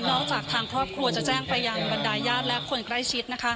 จากทางครอบครัวจะแจ้งไปยังบรรดายญาติและคนใกล้ชิด